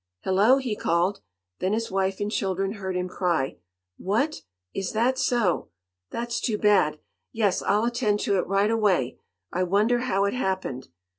"Hello!" he called. Then his wife and children heard him cry: "What! Is that so! That's too bad! Yes, I'll attend to it right away. I wonder how it happened?"